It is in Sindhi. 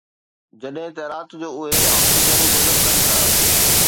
جڏهن ته رات جو اهي آڪسيجن جذب ڪن ٿا